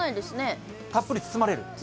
たっぷり包まれる。